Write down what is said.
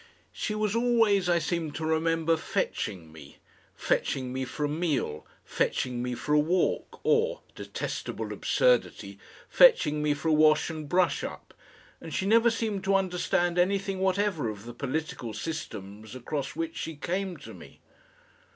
She was always, I seem to remember, fetching me; fetching me for a meal, fetching me for a walk or, detestable absurdity! fetching me for a wash and brush up, and she never seemed to understand anything whatever of the political systems across which she came to me.